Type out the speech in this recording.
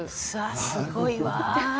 すごいわ。